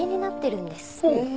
へえ。